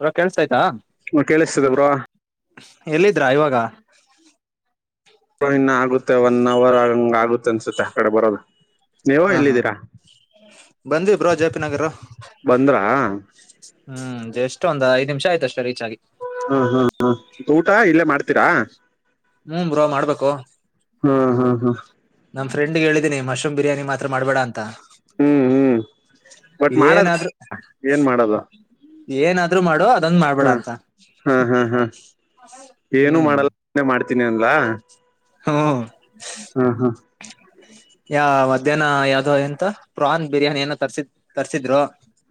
Bro ಕೆಳ್ಸ ಅಯ್ತಾ ಹ್ಮ ಕೇಳಿಸ್ತಿದೆ ಬ್ರೋ ಎಲ್ಲಿದ್ರಾ ಇವಾಗ ಕ ಇನ್ನ ಆಗುತ್ತೆ ಒನ್ ಅವರ್ ಹಂಗ ಆಗುತ್ತೆ ಅನ್ಸುತ್ತೆ ಆ ಕಡೆ ಬರೋದು ನೀವ ಹಾ ಹಾ ಹಾ ಎಲ್ಲಿದ್ದೀರಾ ಬಂದ್ವಿ ಬ್ರೋ ಜೆಪಿ ನಗರ ಬಂದ್ರಾ ಹ್ಮ್ ಎಷ್ಟ ಒಂದ ಐದ ನಿಮಿಷ ಆಯತ ಅಷ್ಟ ರೀಚ್ ಆಗಿ ಹ್ಮ ಹ್ಮ್ ಹ್ಮ್ ಊಟ ಇಲ್ಲೇ ಮಾಡ್ತೀರಾ ಹ್ಮ್ ಬ್ರೋ ಮಾಡ್ಬೇಕು. ಹ್ಮ್ ಹ್ಮ್ ಹ್ಮ್ ನಮ್ಮ ಫ್ರೆಂಡ್ಗೆ ಹೇಳಿದೀನಿ ಮಶ್ರೂ್ ಬಿರಿಯಾನಿ ಮಾತ್ರ ಮಾಡಬೇಡ ಅಂತ. ಹ್ಮ್ ಹ್ಮ್ ಬಟ್ ಮಾಡೋದು ಏನಾದ್ರೂ. ಏನ್ ಮಾಡೋದು ಏನಾದ್ರು ಮಾಡು ಅದೊಂದು ಮಾಡ್ಬೇಡ ಹ್ಮ್ ಅಂತ ಹ್ಮ್ ಹ್ಮ್ ಹ್ಮ್ ಹ್ಮ್. ತಿನ್ನಲ್ಲ ಹ್ಮ ಯ ಮತ್ತ. ಇದೇನ ಯಾವುದೋ ಎಂತ ಪ್ರಾನ್ ಬಿರಿಯಾನಿನ ತರ್ಸಿದ ತರ್ಸಿದ್ರು.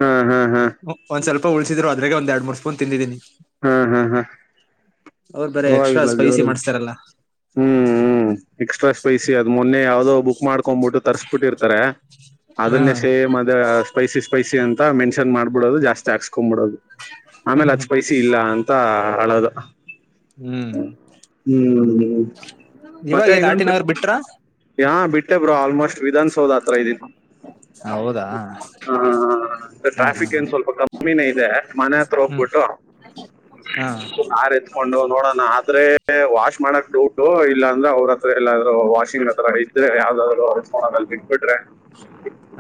ಹ್ಮ್ ಹ್ಮ್ ಹ್ಮ್ ಒಂದ್ ಸ್ವಲ್ಪ ಉಳಸಿದ್ರು ಅದ್ರೆ ಒಂದ್ ಎರಡ್ ಮೂರ್ ಸ್ಪೂನ್ ತಿಂದಿದ್ದೀನಿ. ಹಾ ಹಾ ಹಾ. ಅವ್ರ ಬರೇ ಎಕ್ಸ್ಟ್ರಾ ಸ್ಪೈಸಿ ಮಾಡ್ಸ್ತಾರಲ್ಲ. ಹ್ಮ್ ಹ್ಮ್ ಎಕ್ಸ್ಟ್ರಾ ಸ್ಪೈಸಿ ಅದ್ ಮೊನ್ನೆ ಯಾವ್ದೋ ಬುಕ್ ಮಾಡ್ಕೊಬಿಟ್ಟು ತರ್ಸ್ಬಿಟ್ಟಿರ್ತಾರೆ. ಹ ಅದನ್ನೇ ಸೇಮ್ ಅದ ಸ್ಪೈಸಿ ಸ್ಪೈಸಿ ಅಂತ ಮೆನ್ಷನ್ ಮಾಡ್ಬಿಡೋದು ಜಾಸ್ತಿ ಹಾಕ್ಸೋ ಬಿಡೋದು. ಆಮೇಲೆ ಅದ್ ಸ್ಪೈಸಿ ಇಲ್ಲ ಅಂತ ಅಳದು. ಹ್ಮ್ ಹ್ಮ್ ಇವಾಗ ಮತ್ತೆ ಎಲ್ ಆರ್ ಟಿ ಇನ್ನೊಂದ. ನಗರ್ ಬಿಟ್ರಾ ಹಾ ಬಿಟ್ಟೆ ಬ್ರೋ ಆಲ್ಮೋಸ್ಟ್ ವಿಧಾನಸೌದ ಹತ್ರ ಇದಿನಿ ಹ ಹೌದಾ. ಹ ಹ ಹ ಹಾ ಹಾ ಟ್ರಾಫಿಕ್ ಏನ್ ಹಾ ಸ್ವಲ್ಪ ಕಮ್ಮಿನೇ ಇದೆ ಮನೆ ಹತ್ರ ಹ್ಮ್ ಹೋಗ್ಬಿಟ್ಟು. ಹಾ ಆ ರ್ತ. [inaudible] ಕೊಂಡು ನೋಡೋಣ ಆದ್ರೆ ವಾಶ್ ಮಾಡಕ್ ದುಡ್ಡು ಇಲ್ಲ ಅಂದ್ರೆ ಅವ್ರ ಹತ್ರ ಎಲ್ಲಾದ್ರು ವಾಷಿಂಗ್. ತರ ಇದ್ರೆ ಯಾವ್ದಾದ್ರೂ ಹೆಡ್ಫೋನ್ ಆಗಲ್ಲಿ ಬಿಟ್ಬಿಟ್ರೆ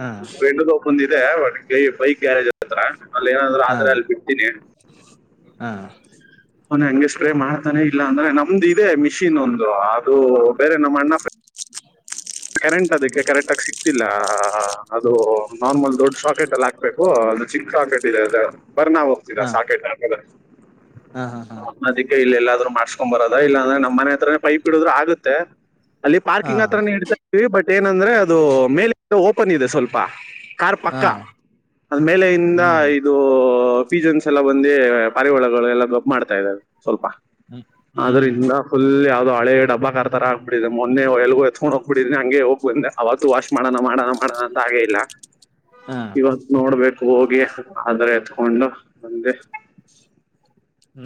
ಹಾ ಟ್ರೆಂಡಪ್ಪಂದ. ಇದೆ ಒಂದು ಗ್ಯಾರೇಜ್ ಹತ್ರ ಅಲ್ಲಿ ಏನಾದ್ರರು ಹಾ ಆದ್ರೆ ಅಲ್ಲಿ ಬಿಡ್ತೀನಿ. ಹಾ. ಅವನ ಹಂಗೆ ಸ್ಪ್ರೇ ಮಾಡ್ತಾನೆ ಇಲ್ಲ ಅಂದ್ರೆ ನಮ್ದು ಇದೆ ಮಿಷಿನ್ ಒಂದು ಅದು ಬೇರೆ ನಮ್ಮ್ ಅಣ್ಣ. ಹ. [inaudible] ಕರೆಂಟ್ ಅದಕ್ಕೆ ಕರೆಟ್ ಆಗ ಸಿಕ್ತಿಲ್ಲ ಅದು ನಾರ್ಮಲ್ ದೊಡ್ಡ ಸಾಕೆಟ್ ಅಲ್ಲಿ ಹಾಕ್ಬೇಕು. ಸಾಕೆಟ್ ಇದೆ ಅ ಬರ್ನಾ ಹೋಗ್ತಿದೆ ಹಾ ಸಾಕೆಟ್ ಅದಕ್ಕೆ ಹಾ ಹಾ ಹಾ ಎಲ್ಲೀ ಎಲ್ಲಾದ್ರೂ. ರು ಮಾಡಸ್ಕೊಂಡ್ ಬರೋದ ಇಲ್ಲಾಂದ್ರೆ ನಮ್ಮ್ ಮನೆ ಹತ್ರೇ ಪೈಪ್ ಇಡುದ್ ಆಗುತ್ತೆ ಅಲ್ಲಿ ಹಾ ಪಾರ್ಕಿಂಗ್ ಹತ್ರ ಇಡ. [unintelligible] ಬಟ್ ಏನಂದ್ರೆ ಅದು ಮೇಲಕ್ಕೆ ಓಪನ್ ಇದೆ ಸ್ವಲ್ಪ. ಕಾರ್ ಹಾ ಪಕ್ಕ ಅದ ಮೇಲ ಇಂದ ಹ್ಮ್ ಇದು ಪೀಜನ್ಸ್ ಎಲ್ಲ ಬಂದೀ. ಪರಿವಳಗಳು ಎಲ್ಲ ಗಬ್ಬು ಮಾಡ್ತಾ ಇದಾವ ಸ್ವಲ್ಪ ಹ್ಮ್ ಹ್ಮ್ ಅದರಿಂದ ಫುಲ್ ಯ. [unintelligible] ಹಳೇ ಡಬ್ಬಾ ಕಾರ್ ಥರ ಆಗ್ಬಿಟ್ಟಿದೆ ಮೊನ್ನೆ ಎಲ್ಲಿಗೋ ಎತ್ಕೊಂಡ್ ಹೋಗ್ಬಿಟ್ಟಿದ್ದೀನಿ ಹಂಗೆ ಹೋಗಿ. ಬಂದು ಅವತ್ತು ವಾಶ್ ಮಾಡೋಣ ಮಾಡೋಣ ಮಾಡೋಣ ಅಂತ ಹಾಗೇ ಇಲ್ಲ. ಹಾ ಇವತ್ ನೋಡ್ಬೇಕು ಹೋಗಿ ಆದ್ರೆ. [unintelligible]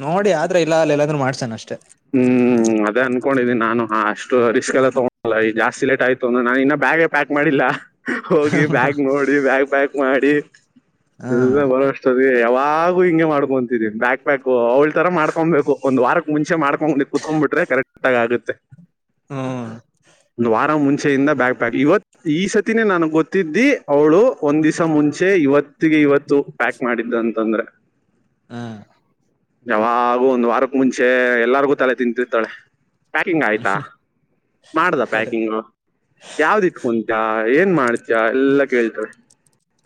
ನೋಡಿ ಆದ್ರೆ ಇಲ್ಲ ಅಲ್ಲಿ ಎಲ್ಲಾದ್ರೂ ಮಾಡ್ಸನ ಅಷ್ಟೇ. ಹ್ಮ್. ಹ್ಮ್ ಅದೇ ಅನ್ಕೊಂಡಿದಿನಿ ನಾನು ಹ ಅಷ್ಟು ರಿಸ್ಕ್ ಎಲ್ಲ ತಗೋಳಲ್ಲ ಇಲ್ಲಿ ಜಾಸ್ತಿ ಲೇಟ್ ಆಯ್ತು ಅಂದ್ರೆ ನಾನು ಇನ್ನ ಬ್ಯಾಗೇ ಪ್ಯಾಕ್ ಮಾಡಿಲ್ಲ. ಹೋಗಿ ಬ್ಯಾಗ್ ನೋಡಿ ಬ್ಯಾಗ್ ಪ್ಯಾಕ್ ಮಾಡಿ ಹಾ ಎಲ್ಲಾ ಬರಷ್ಟ. ಯಾವಾಗೂ ಹಿಂಗೆ ಮಾಡ್ಕೊಂತಿದಿಯಾ ಬ್ಯಾಕ್ ಪ್ಯಾಕ್ ಅವ್ಳ ತರ ಮಾಡ್ಕೊಬೇಕು ಒಂದ್ ವಾರಕ್ ಮುಂಚೆ ಮಾಡ್ಕೋಬೇಕು. ಮುಂದೆ ಕುತ್ಕೊ್ಬಿಟ್ರೆ ಕರೆಕ್ಟ್ ಆಗಿ ಆಗುತ್ತೆ ಹ್ಮ್ ಒಂದು ವಾರ ಮುಂಚೆ. ಮುಂಚೆಯಿಂದ ಬ್ಯಾಗ ಪ್ಯಾಕ್ ಇವತ್ತು ಈ ಸತಿನೇ ನನಗೆ ಗೊತ್ತಿದ್ದಿ ಅವಳು ಒಂದ್ ದಿವಸ ಮುಂಚೆ ಇವತ್ತಿಗೆ. ಇವತ್ತು ಪ್ಯಾಕ್ ಮಾಡಿದ್ದು ಅಂತಂದ್ರೆ. ಹ್ಮ. ಯಾವಾಗೂ ಒಂದ್ ವಾರಕ್ ಮುಂಚೆ ಎಲ್ಲಾರ್ಗೂ ತಲೆ ತಿಂತೀರ್ಥಳೇ ಪ್ಯಾಕಿಂಗ್ ಆಯ್ತಾ. ಮಾಡ್ದ ಪ್ಯಾಕಿಂಗ್ ಯಾವ್ದ್ ಇಟ್ಕೊತಿಯ. ಏನ್ ಮಾಡ್ತಿಯಾ ಎಲ್ಲಾ ಕೇಳ್ತಾರೆ.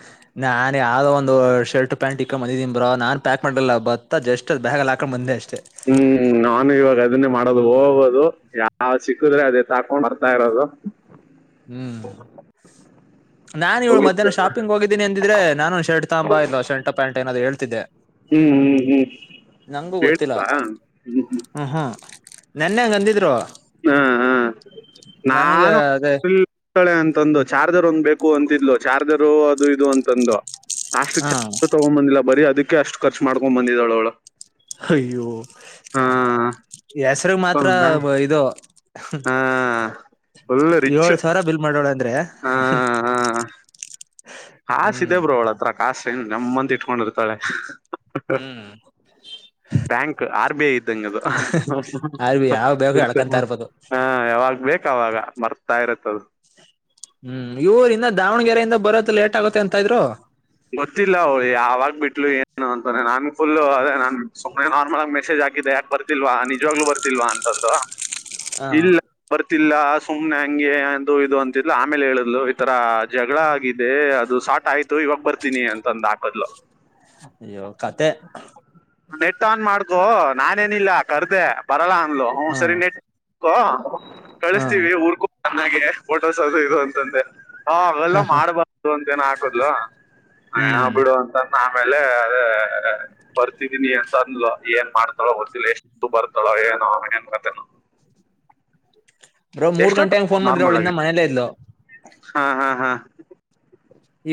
ಹ. [inaudible] ನಾನ ಯಾವದೋ ಒಂದು ಶರ್ಟ್ ಪ್ಯಾಂಟ್ ಇಕ್ಕೊಂಡ ಬಂದಿದಿನಿ ಬ್ರೋ ನಾನ್ ಪ್ಯಾಕ್ ಮಾಡಲಿಲ್ಲ ಬತ್ತ ಜಸ್ಟ್ ಬ್ಯಾಗಲ್ಲಿ ಹಾಕೊಂಡು ಬಂದೆ ಅಷ್ಟೆ. ಹ್ಮ್ ನಾನು ಇವಾಗ. ಅದನ್ನೇ ಮಾಡೋದು ಹೋಗೋದು ಯಾವ ಸಿಕ್ಕುದ್ರೆ ಅದು ಹೆತ್ತಾಕೊಂಡು ಬರ್ತಾ ಇರೋದು. ನಾನನ್ ಇವಳು ಹೋಗಿದ್ದು. ಮಧ್ಯಾಹ್ನ ಶಾಪಿಂಗ್ ಹೋಗಿದ್ದೀನಿ ಅಂದಿದ್ರೆ ನಾನು ಶರ್ಟ್ ತಗ ಬಾ ಇಲ್ಲೋ ಷರ್ಟ್ ಪ್ಯಾಂಟ್ ಏನಾದ್ರೂ ಹೇಳ್ತಿದ್ದೆ ಹ್ಮ್ ನಂಗೂ ಹ್ಮ್ ಗೊತ್ತಿಲ್ಲ ಹ್ಮ್ ಹ್ಮ್ ಹ್ಮ್ [unintelligible] ನೆನ್ನೆ ಹಂಗೆ ಅಂದಿದ್ರು ಹಾ ನನಗೆ ನಾನು ಅದೇ [unintelligible] ಅಂತಂದು ಚಾರ್ಜರ್ ಒಂದ್ ಬೇಕು ಅಂತಿದ್ಲು ಚಾರ್ಜರ್ ಅದು ಇದು ಅಂತಂದು ಅಷ್ಟು ಹಾ ಚಾ [unintelligible] ತಗೊಂಡ್ ಬಂದಿಲ್ಲ ಬರೀ ಅದಕ್ಕೆ ಅಷ್ಟು ಖರ್ಚು ಮಾಡ್ಕೊಂಡ್ ಬಂದಿದಾಳೆ ಅವಳು ಅಯ್ಯೋ ಹಾ ಹೆಸ್ರಗ್ ಮಾತ್ರ ಹೌದಾ? ಇದು ಹಾ ಫುಲ್ ರಿಚ್ ಏಳ್ ಸಾವಿರ ಬಿಲ್ ಮಾಡೋಳಂದ್ರೆ ಹ ಕಾಸ್ ಇದೇ ಬ್ರೋ ಅವಳ ಹತ್ರ ಕಾಸ [unintelligible] ಇಟ್ಕೊಂಡಿರ್ತಾಳೆ ಬ್ಯಾಂಕ್ ಆರ್ ಬಿ ಐ ಇದು ಅಲ್ ಯಾವ ಬೇಗ ಎಳ್ಕೊಂತ [unintelligible] ಇರ್ಬೋದು ಹಾ ಯಾವಾಗ್ ಬೇಕಾವಾಗ ಮರ್ತಾಯರತ್ತದು ಹ್ಮ್ ಇವರಿಂದ ದಾವಣಗೆರೆಯಿಂದ ಬರೋದು ಲೇಟ್ ಆಗತ್ತೆ ಅಂತ ಇದ್ರು ಗೊತ್ತಿಲ್ಲ ಅವಳು ಯಾವಾಗ ಬಿಟ್ಲು ಏನು ಅಂತೆ ನನ್ ಫುಲ್ಲು ನನ್ ಸುಮ್ಮನೆ ನಾರ್ಮಲ್ ಆಗಿ ಮೆಸೇಜ್ [unintelligible] ಯಾಕೆ ಬರ್ತಿಲ್ವಾ ನಿಜವಾಗ್ಲೂ ಬರ್ತಿಲ್ವಾ ಅಂತಂದ್ರೂ ಹಾ ಗೊತ್ತಿಲ್ಲ ಸುಮ್ನೆ ಹಂಗೆ ಅದು ಇದು ಅಂತಿದ್ಲು ಆಮೇಲೆ ಹೇಳಿದ್ಲು ಈತರ ಜಗಳ ಆಗಿದೆ ಅದು ಸ್ಟಾರ್ಟ್ ಆಯ್ತು ಇವಾಗ ಬರ್ತೀನಿ ಅಂತಂದ ಹಾಕದ್ಲು ಅಯ್ಯೋ ಕಥೆ ನೆಟ್ ಆನ್ ಮಾಡ್ಕೊ ನಾನೇನಿಲ್ಲ ಕರ್ದೆ ಬರಲ್ಲ ಅಂದ್ಲು ಹೂ ಹ ಸರಿ [unintelligible] ಹ ಕಳಿಸ್ತೀವಿ ಊರ್ಕೂ ಚೆನ್ನಾಗೆ ಫೋಟೋಸ್ ಅದು ಇದು ಅಂಥಂದೆ ಹ ಅವೆಲ್ಲ ಮಾಡ್ಬಾರ್ದು ಅಂತ ಏನ ಹಾಕದ್ಲು ಏನ ಹ್ಮ್ ಬಿಡು ಅಂತ ಆಮೇಲೆ ಅದೇ ಬರ್ತ [unintelligible] ಜಿಗಿನಿ ಅಂತ ಅಂದ್ಲು ಏನ್ ಮಾಡ್ತಾಳೋ ಗೊತ್ತಿಲ್ಲ ಎಷ್ಟು ಬರ್ತಾಳೋ ಏನೋ ಏನ್ ಕತೆನೋ ಬ್ರೋ ಮೂರ್ ಗಂಟೆ ಎಷ್ಟೊತ್ತು ಅಂಗೆ ಫೋನ್ ಮಾಡಿದ್ದೆ ನಾರ್ಮಲ್ ಅವ್ಳು ಆಗಿ ಇನ್ನ ಮನೇಲ್ಲೇ ಇದ್ಲು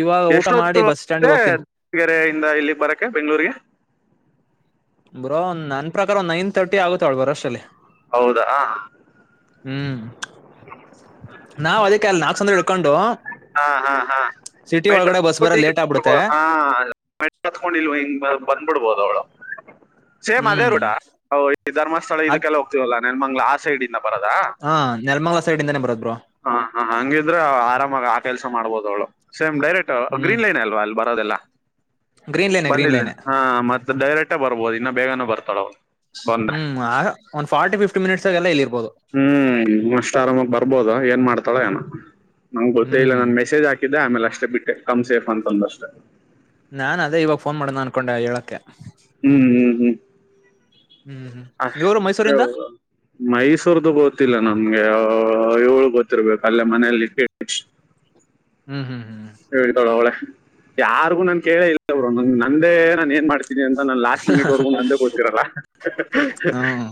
ಇವಾಗ ಊಟ ಮಾಡಿ ಎಷ್ಟೊತ್ತುದೆ ಬಸ್ ಸ್ಟ್ಯಾಂಡ್ಗೆ ಹೋಗ್ತೀನಿ ದಾವಣಗೆರೆಯಿಂದ ಇಲ್ಲಿ ಬರಕ್ಕೆೆ ಬೆಂಗ್ಳೂರ್ರಿಗೆ ಬರೋ ನನ್ ಪ್ರಕಾರ ಒಂದ್ ನೈನ್ ತರ್ಟಿ ಆಗುತ್ತೆ ಅವಳಳ್ ಬರೋ ಅಷ್ಟಲ್ಲಿ ಹೌದಾ ಹ್ಮ್ ನಾವ್ ಅದಕ್ಕೆ ಅಲ್ ನಾಕ್ ಸಂದ್ರ ಇಡ್ಕೊಂಡು ಹಾ ಹಾ ಹಾ ಬರ ಲೇಟ್ ಆಗ್ಬಿಡುತ್ತೆ ಹ ಮ ಕತ್ಕೊಂಡಿಲ್ವ ಹಿಂಗ ಬಂದ್ಬಿಡ್ಬೋದ ಅವಳ ಸೇಮ್ ಅದೇ ಹ್ಮ್ ರೂಡ ಈ ಧರ್ಸ್ಥಳ ಇದಕ್ಕೆಲ್ಲ ಹೋಗ್ತೀವಲ್ಲಾ ನೆನ್ ಮಂಗ್ಲ ಆ ಸೈಡ್ ಹಾ ನೆರ್ಮಳ ಹ ಹಾ ಹಂಗಿದ್ರೆ ಆರಾಮಾಗ ಆ ಕೆಲ್ಸ ಮಾಡ್ಬೋದ ಅವಳು ಸೇಮ್ ಡೈರೆಕ್ಟ್ ಹ್ಮ್ ಗ್ರೀನ್ ಲೈನ್ ಅಲ್ವಾ ಅಲ್ಲಿ ಬರೋದೆಲ್ಲ ಗ್ರೀನ್ ಲೈನೆ ಗ್ರೀನ್ ಬಂದಿಲ್ಲ ಲೈನೆ ಹಾ ಮತ್ತೆ ಡೈರೆಕ್ಟೇ ಬರ್ಬೋದು ಇನ್ನು ಬೇಗನ ಬರ್ತಾಳೆ ಅವ ಹ್ಮ್ ಆಗ ಒಂದ್ ಫಾರ್ಟಿ ಫಿಫ್ಟಿ ಮಿನಿಟ್ಸ್ ಆಾಗೆಲ್ಲ ಇಲ್ಲಿ ಇರ್ಬೋದು ಹ್ಮ್ ಅಷ್ಟು ಬರ್ಬೋದು ಏನ್ ಮಾಡ್ತಾಳೋ ಏೋ ನಮ್ಗೆ ಗೊತ್ತೇ ಇಲ್ಲ ಹ್ಮ್ ನನ್ ಮೆಸೇಜ್ ಹಾಕಿದ್ದೆ ಆಮೇಲೆ ಅಷ್ಟೇ ಬಿಟ್ಟೆ ಕಮ್ ಸೇಫ್ ಅಂತಂದಷ್ಟೆ ನಾನ್ ಅದೇ ಇವಾಗ ಫೋನ್ ಮಾಡ್ದನ ಅನ್ಕೊಂಡೆ ಹೇಳೋಕ್ಕೆ ಹ್ಮ್ ಹ್ಮ್ ಹ್ಮ್ ಹ್ಮ್ ಹ್ಮ್ ಇವರು ಅಷ್ಟೇ ಮೈಸೂರಿಂದ ಮೈಸೂರ್ದು ಗೋತಿಿಲ್ಲ ನಮ್ಗೆ ಏಳ್ು ಗೊತ್ತಿರ್ಬೇಕು ಅಲ್ಲೇ ಮನಲಿ ಕ ಹ್ಮ್ ಹ್ಮ್ ಹ್ಮ್ ಹೇಳತೊಳ ಅವಳೆ ಯಾರಿಗು ನನ್ ಕೇಳೇ ಇಲ್ಲ ಅವರು ನಂದೇ ನಾನನ್ ಏನ್ ಮಾಡ್ತಿ ಅಂತ ನಾನು ಲಾಸ್ಟ್ ಮಿನಿಟ್ವರೆಗೂ ಅಂದೇ ಗೊತಿರಲ್ಲ ಹ್ಮ್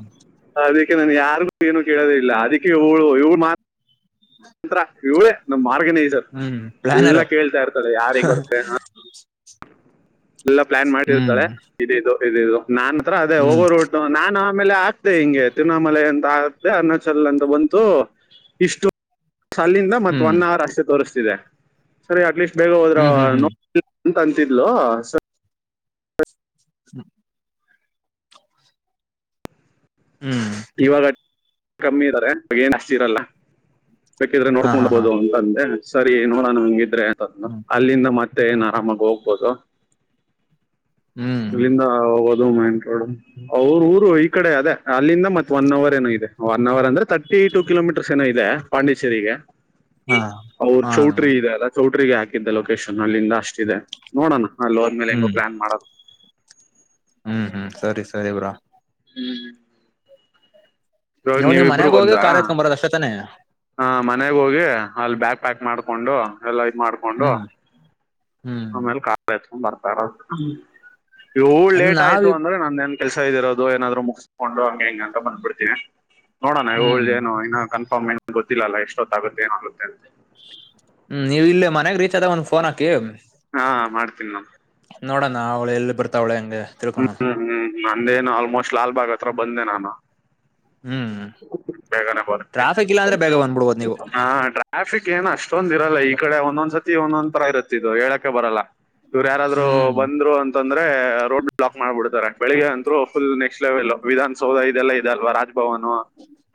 ಅದ [unintelligible] ನಾನು ಯಾರಿಗೂ ಏನು ಕೇಳೋದಿಲ್ಲ ಅದಕ್ಕೆ ಇವಳು ಇವಳು ಮಾ ನಂತ್ರರ ಇವಳೇ ನಮ ಆರ್ಗಾನಿಜ್ರ್ ಹ್ಮ್ ಎಲ್ಲಾ ಪ್ಲಾನರು ಕೇಳ್ತಾ ಇರ್ತಾರೆ ಯಾರ್ ಹೆಂಗ ಬರ್ತ್ತೆ ಹ [inaudible] ಎಲ್ಲ ಪ್ಲಾನ್ ಹ್ಮ್ ಮಾಡಿರ್ತಾೆ ಇದ ಇದು ಇದ ಇದು ನಾನ ಹತ್ರ ಅದೇ ಹಓವ ಹ್ಮ್ ರೋಟ್ ನಾನ ಆಮೇಲೆ ಆಗ್ದೆ ಹಿಂಗೆ ತಿರುಣಾಮಲ ಅಂತ ಆದೆ ಅರುಣಾಚಲ್ ಅಂತ ಬಂತು ಇಷ್ಟು ಅಲ್ಲಿಂದ ಮತ್ತ ಹ್ಮ್ ಒನ್ ಅವರ್ ಅಷ್ಟೇ ತೋರಿಸ್ತಿದೆ ಸರಿ ಅಟ್ಲೀಸ್ಟ್ ಬೇಗ ಹೋದ್ರ ಹ್ಮ್ ಹ್ಮ್ ಹ್ಮ್ ಎಂತ ಅಂತಿದ್ಲು ಸರ್ ಹ್ಮ [unintelligible] ಹ್ಮ್ ಇವಾಗ ಕಮ್ಮಿ ಇದಾರೆ ಈವಾಗ ಏನಷ್ಟ ಇರಲ್ಲ ಬೇಕಿದ್ರೆ ಹಾ ಹಾ ಹಾ ನೋಡ್ಕೊಂಡಬೋದು ಅಂತಂದೆ ಸರಿ ನೋಡೋಣ ಹಂಗಿದ್ರೆ ಅ ಹ್ಮ್ ಅಲ್ಲಿಂದತ್ತೆ ಮತ್ತೆ ಏನ್ ಆರಾಮಾಗಿ ಹೋಗ್ಬೋದು ಹ್ಮ್ ಇಲ್ಲಿಂದ ಮೋಡ್ ಅವ್ರ ಊರು ಈ ಕಡೆ ಅದೇ ಅಲ್ಲಿಂದ ಮತ್ತೆ ಒನ್ ಅವರ್ ಏನೋ ಇದೆ ಒನ್ ಅವರ್ ಅಂದ್ರೆ ತರ್ಟಿ ಟು ಕಿಲೋಮೀಟರ್ಸ್ ಏನೋ ಇದೆ ಪಾಂಡಿ್ೇರಿಗೆ ಹಾ ಅವ್ರ ಹಾ ಚೌಟ್ರಿ ಇದೆ ಅದ ಚೌಟ್ರಿಗೆ ಹಾಕಿದ್ದ ಲೊಕೇಶನ್ ಅಲ್ಲಿಂದ ಅಷ್ಟಿದೆ ನೋಡೋಣ ಅಲ್ಲಿೋದ ಮೇಲೆ ಹೆಂಗೋ ಹ್ಮ್ ಪ್ಲಾನ್ ಮಾಡದು ಹ್ಮ್ ಹ್ಮ್ ಸರಿ ಸರಿ ಬ್ರಾ ಹ್ಮ್್ಮ ಇ ನೀವು ನೀವ್ ನೀವಿಬ್ರುೂ ಮನ್ಯಾಗ ಹೋಗಿ ಬಂದಾ ಕಾರ್ ಎತ್ಕೊಂಡ್ ಬರೋದ ಅಷ್ಟೇ ತಾನೆ ಹ ಮನೆಗ್ ಹೋಗಿ ಅಲ್ಲಿ ಬ್ಯಾಗ್ ಪ್ಯಾಕ್ ಮಾಡ್ಕೊಂಡು ಎಲ್ಲ ಇದ್ ಮಾಡ್ಕೊಂಡು ಹ್ಮ್ ಹ್ಮ್ ಆಮೇಲೆ ಕಾ ಹತ್ಕೊಂಡ್ ಬರ್ತಾರ ಏಳ್ ಅದ್ ಲೇಟ್ ನಾವ್ ಆಯ್ತು ಅಂದ್ರೆ ನಂದೆನ್ ಕೆಲ್ಸ ಇದ್ದಿರೋದು ಏನಾದ್ರು ಮುಗಿಸ್ಕೊಂಡು ಹಂ ಹಿಂಗ ಅಂತ ಬಂದ್ ಬಿಿಡ್ತೀವಿ ನೋಡಣ ಹ್ಮ್ ಈಗಳ್ಳ್ದ ಏನು ಇ ಕ ಹ ಮೆ ಗೊತ್ತಿಲ್ಲಲ್ಲ ಎಷ್ಟೊತ್ತಾಗುತ್ತ ಏನಾಗುತ್ತೆ ಅಂತ ಹ್ಮ್ ನೀವು ಇಲ್ಲೇ ಮನ್ಯಾಗ ರೀಚ್ ಅದಾಗ ಒಂದ್ ಫೋನ್ ಹಾಕಿ ಹಾ ಮಾಡ್ತೀನಿ ನಾನು ನೋಡೋಣ ಅವಳೆ ಎಲ್ಲಿ ಬರ್ತಾವ ಅವಳೆ ಹಂಗೆ ತಿಳ್ಕೊಳ ಹ್ಮ್ ಹ್ಮ್ ನಂದೇನು ಆಲ್ಮೋಸ್ಟ್ ಲಾಲ್ಬಾಗ್ ಹತ್ರ ಬಂದೆ ನಾನು ಹ್ಮ್ ಬೇಗಾನ ಬ ಟ್ರಾಫಿಕ್ ಇಲ್ಲ ಅಂದ್ರೆ ಬೇಗ [unintelligible] ಬಂದ್ಬಿಡ್ಬೋದು ನೀವು ಹಾ ಟ್ರಾಫಿಕ್ ಏನ್ ಅಷ್ಟೊಂದ್ ಇರಲ್ಲ ಈ ಕಡೆ ಒಂದೊಂದ್ ಸತಿ ಒಂದೊಂದ್ರ ಇರುತ್ತೆ ಇದು ಹೇಳಕ ಬರಲ್ಲ ಇವ್ರು ಯಾರಾದ್ರು ಹ್ಮ್ ಬಂದ್ರು ಅಂತಂದ್ರೆ ರೋಡ್ ಬ್ಲಾಕ್ ಮಾಡ್ಬಿಡ್ತಾರೆ ಬೆಳಗ್ಗೆ ಅಂತರು ಫುಲ್ ನೆಕ್ಸ್ಟ್ ಲೆವೆಲ್ ವಿಧಾನಸೌಧ ಇದೆಲ್ಲ ಇದದೆಲ್ವಾ ರಾಜಭವನ್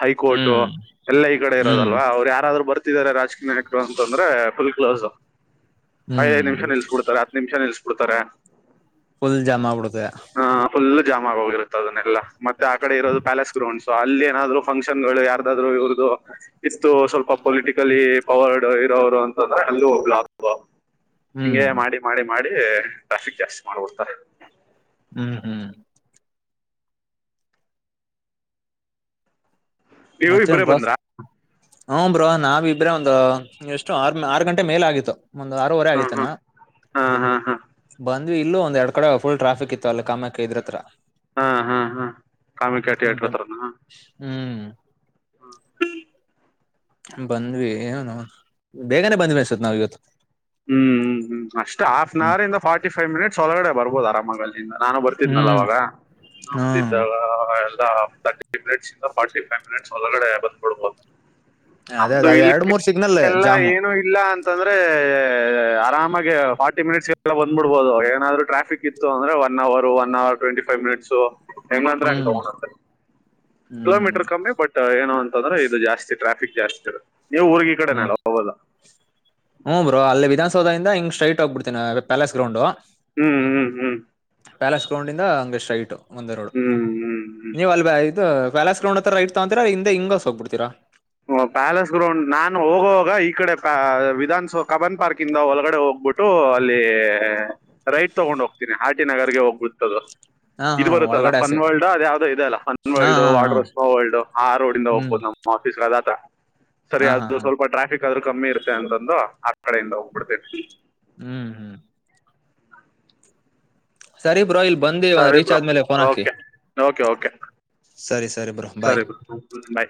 ಹೈಕೋರ್ಟ್ು ಹ್ಮ್ ಎಲ್ಲ ಈ ಕಡೆ ಹ್ಮ್ ಇರೋದಲ್ವಾ ಅವ್ರು ಯಾರಾದ್ರು ಬರ್ತಿದ್ದಾರೆ ರಾಜಕೀಯ ನಾಯಕರು ಅಂತಂದ್ರೆ ಫುಲ್ ಕ್ಲೋಸ್ ಐದ್ ಐದ್ ಹ್ಮ್ ನಿಮಿಷ ನಿಲ್ಸ್ಬಿಡ್ತಾರೆ ಹತ್ ನಿಮಿಷ ನಿಲ್ಸ್ಬಿಡ್ತಾರ ಫುಲ್ ಜಾಮಾ ಆಗಬುಡುತ್ತೆ ಜಾಮ ಆಗ ಹೋಗಿರುತ್ತೆ ಅದನ್ನೆಲ್ಲ ಮತ್ತೆ ಆ ಕಡೆ ಇರೋದು ಪ್ಯಾಲೇಸ್ ಗ್ರೌಂಡ್ ಸೊ ಅಲ್ಲಿ ಏನಾದ್ರು ಫಂಕ್ಷನ್ ಗಳು ಯಾರದಾದ್ರು ಇವ್ರದು ಇಷ್ಟು ಸ್ವಲ್ಪ ಪೊಲಿಟಿಕಲಿ ಪವರ್ಡ್ ಇರೋರು ಅ ಅಲ್ಲು ಹ್ಮ್ ಹಿಂಗೆ ಮಾಡಿ ಮಾಡಿ ಮಾಡಿ ಟ್ರಾಫಿಕ್ ಜಾಸ್ತಿ ಮಾಡ್ಬಿಡ್ತ ಹ್ಮ್ ಹ್ಮ್ ನೀವು ಇಬ್ರೆ ಬಂದ್ರಾ ಹು ಬ್ರೋ ನಾವಿಬ್ರೆ ಒಂದು ಎಷ್ಟು ಆರ್ ಆರು ಗಂಟೆ ಮೇಲ್ ಆಗಿತ್ತು ಒಂದ ಆರೂವರೆ ಹ್ಮ್ ಹ್ಮ್ ಆಗತನಾ ಹ್ಮ್ ಹ್ಮ್ ಬಂದ್ವಿ ಇಲ್ಲೋ ಎರಡ್ ಕಡೆ ಫುಲ್ ಟ್ರಾಫಿಕ್ ಇತ್ತು ಅಲ್ಲಿ ಕಾಮಾಕ್ಕೆ ಇದ್ರತ್ರ ಹಾ ಹಾ ಹಾ ಕಾಮಕೆ ಥೀಯೇಟರ್ ಬಂದ್ ಹತ್ರನ ಹ್ಮ್ ಹ್ಮ ಬಂದ್ವಿ ಬೇಗನೆ ಬಂದ್ವಿ ಅಸತ್ ನಾವ್ ಇವತ್ತು ಹ್ಮ್ ಹ್ಮ್ ಹ್ಮ್ ಅಷ್ಟ್ ಹಫ್ನ್ ಹ್ಮ್ ಅವರ್ ಇಂದ ಫಾರ್ಟಿ ಫೈವ್ ಮಿನಿಟ್ಸ್ ಒಳಗಡೆ ಬರ್ಬೋದು ಆರಾಮಾಗಿಲ್ಲಿ ಇ ನಾನು ಬರ್ತಿದ್ನಲ್ಲ ಹ್ಮ್ ಅವಾಗ ಹ್ಮ್ ನಮ್ದಿದ್ದಾಗ ಲ್ಲ ತರ್ಟಿ ಮಿನಿಟ್ಸ್ ಇಂದ ಫಾರ್ಟಿ ಫೈವ್ ಮಿನಿಟ್ಸ್ ಒಳಗಡೆ ಬಂದ್ಕೊಡ್ಬೋದು ಅದೇ ನಮ್ದು ಅದ ಇಲ್ಲಿ ಎರಡ್ ಮೂರ್ ಸಿಗ್ನಲ್ ಎಲ್ಲ ಜಾಮು ಏನು ಇಲ್ಲ ಅಂತಂದ್ರೆ ಆರಾಮಾಗಿ ಫಾರ್ಟಿ ಮಿನಿಟ್ಸ್ ಎಲ್ಲ ಬಂದ್ಬಿಡ್ಬೋದು ಏನಾದ್ರೂ ಟ್ರಾಫಿಕ್ ಇತ್ತು ಅಂದ್ರೆ one hour one hour twenty five minutes ಹೆಂಗ್ ನಂತ್ರ ಹ್ಮ್ ಅ ಹ್ಮ್ ಕಿಲೋಮೀಟರ್ ಕಮ್ಮಿ ಬಟ್ ಏನು ಅಂತಂದ್ರೆ ಇದು ಜಾಸ್ತಿ ಟ್ರಾಫಿಕ್ ಜಾಸ್ತಿ ನೀವು ಊರ್ಗಿ ಕಡೆನ ಅಲ್ಲ ಹಲ್ಲಾ ಹು ಬ್ರೋ ಅಲ್ಲಿ ವಿಧಾನಸೌಧದಿಂದ ಹಿಂಗ ಸ್ಟ್ರೈಟ್ ಹೋಗಿಬಿಡ್ತೇನ ಪ್ಯಾಲೇಸ್ ಗ್ರೌಂಡ್ ಹ್ಮ್ ಹ್ಮ್ ಹ್ಮ್ ಪ್ಯಾಲಸ್ ಗ್ರೌಂಡ್ ಇಂದ ಅಂಗೆ ಸ್ಟ್ರೇಟ್ ಒಂದೇ ರೋಡ್ ಹ್ಮ್ ಹ್ಮ್ ನೀವ್ ಅಲ್ ಇದು ಪ್ಯಾಲಾಸ್ ಗ್ರೌಂಡ್ ಹತ್ರ ರೈಟ್ ತಗೊಂತೀರ ಹಿಂದೆ ಹಿಂಗಸ ಹೋಗ್ಬಡ್ತೀರಾ. ಪ್ಯಾಲೇಸ್ ಗ್ರೌಂಡ್ ನಾನು ಹೋಗುವವಾಗ ಈ ಕಡೆ ಪ ವಿಧಾನನ್ಸೌ ಕಬನ್ ಪಾರ್ಕ್ ಇಂದ ಒಳಗಡೆ ಹೋಗ. ಹೋಗ್ಬಿಟ್ಟು ಅಲ್ಲಿ ರೈಟ್ ತಗೊಂಡ್ ಹೋಗ್ತೀನಿ ಆರಟಿ ನಗರ್ಗೆ ಹೋಗ್ಬಿಡ್ತದು. ಹಾ. ಹಾ ಇದು ಬರುತ್ತಲ್ಲ ಒಳಗಡೆ ಹಸಿ ಫನ್ ವರ್ಲ್ಡ್ ಅದು ಯಾವುದೋ ಇದೆ ಅಲ್ಲ ಫನ್ ಹಾ ವರ್ಲ್ಡ್ ಹಾ ಹಾ ವಾಟರ್ ವರ್ಲ್ಡ್ ಆ ರೋಡಿಂದ ಹ್ಮ್ ಹೋಗ್ಬಹದು ನಮ್ಮ. ತ ಸರಿ ಹಾ ಹಾ ಅದು ಹಾ ಸ್ವಲ್ಪ ಟ್ರಾಫಿಕ್. ಯಾದ್ರೂ ಕಮ್ಮಿ ಇರ್ತ್ತೆ ಅಂತಂದು ಆ ಕಡೆಯಿಂದ ಹೋಗ್ಬಿಡ್ತೇನೆ. ಹ್ಮ್ ಹ್ಮ್. ಸರಿ ಬ್ರೋ ಇಲ್ ಬಂದಿ ಸರಿ ರೀಚ್ ಬ್ರೋ ಆದ್ಮೇಲೆ ಫೋನ್ ಹಾಕಿ. ಓಕೆ ಓಕೆ ಓಕೆ ಸರಿ ಸರಿ ಬ್ರೋ ಬಾಯ್. ಬಾಯ್